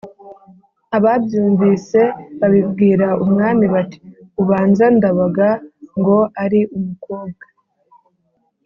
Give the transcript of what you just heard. ababyumvise babibwira umwami, bati «ubanza ndabaga ngo ari umukobwa!